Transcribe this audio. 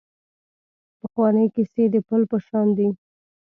پخوانۍ کیسې د پل په شان دي .